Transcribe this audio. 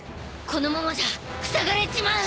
このままじゃふさがれちまう！